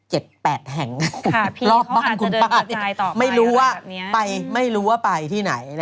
๗๘แห่งลอบบ้านไม่รู้ว่าไปที่ไหน